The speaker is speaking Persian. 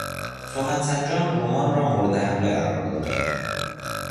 سخن سنجان رمان را مورد حمله قرار دادند.